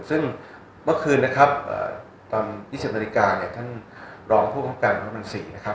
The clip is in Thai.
ซึ่งเมื่อคืนนะครับตอน๒๐นาฬิกาเนี่ยท่านรองผู้บังคับการพระมัน๔นะครับ